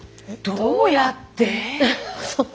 どうやってって。